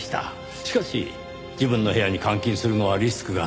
しかし自分の部屋に監禁するのはリスクが高すぎる。